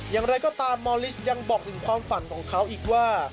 อย่างไรก็ตามมอลิสยังบอกถึงความฝันของเขาอีกว่า